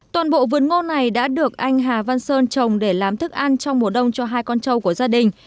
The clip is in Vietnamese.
toàn bộ vườn ngô này đã được anh hà văn sơn trồng để làm thức ăn trong mùa đông cho hai con trâu của gia đình